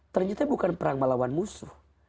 ternyata bukan perang melawan musuh